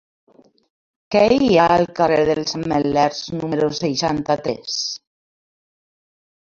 Què hi ha al carrer dels Ametllers número seixanta-tres?